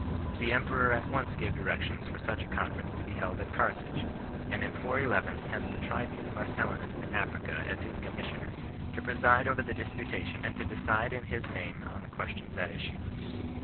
The em peror at once gave directions for such a conference to be held at Carthage 4 , and in 411 sent the tribune Mar cellinus to Africa as his commissioner, to preside over the disputation and to decide in his name on the ques tions at issue.